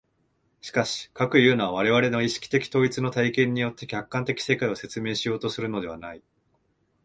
しかし、かくいうのは我々の意識的統一の体験によって客観的世界を説明しようとするのではない。